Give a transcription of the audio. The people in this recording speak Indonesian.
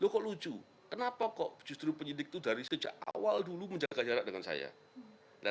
kok lucu kenapa kok justru penyidik itu dari sejak awal dulu menjaga jarak dengan saya nah